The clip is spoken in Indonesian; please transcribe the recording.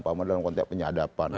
paham dalam konteks penyadapan